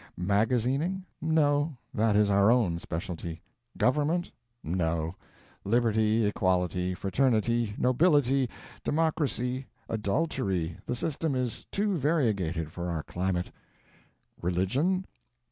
Magazining? No, that is our own specialty. Government? No; Liberty, Equality, Fraternity, Nobility, Democracy, Adultery the system is too variegated for our climate. Religion?